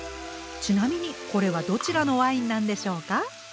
ちなみにこれはどちらのワインなんでしょうか？